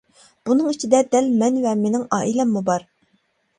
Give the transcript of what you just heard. بۇنىڭ ئىچىدە دەل مەن ۋە مىنىڭ ئائىلەممۇ بار.